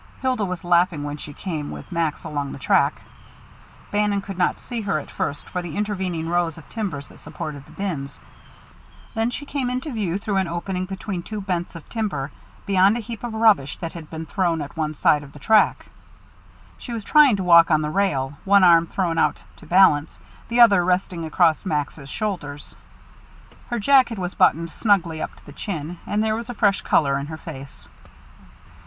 Hilda was laughing when she came with Max along the track. Bannon could not see her at first for the intervening rows of timbers that supported the bins. Then she came into view through an opening between two "bents" of timber, beyond a heap of rubbish that had been thrown at one side of the track. She was trying to walk on the rail, one arm thrown out to balance, the other resting across Max's shoulders. Her jacket was buttoned snugly up to the chin, and there was a fresh color in her face.